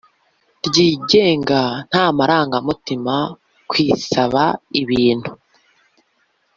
Ryigenga nta marangamutima ku isaba ibintu